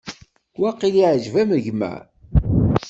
Waqil iɛǧeb-am gma?